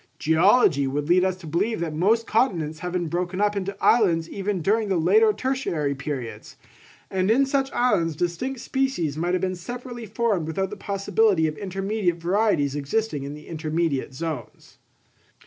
Geology would lead us to believe that most continents have been broken up into islands even during the later tertiary periods; and in such islands distinct species might have been separately formed without the possibility of intermediate varieties existing in the intermediate zones.